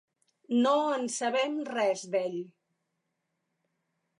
No en sabem res d'ell.